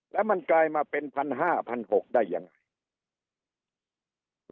แล้วมันกลายมาเป็น๑๕๖๐๐ได้ยังไง